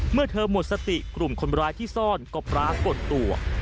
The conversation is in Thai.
เมื่อเธอหมดสติกลุ่มคนร้ายที่ซ่อนก็ปรากฏตัว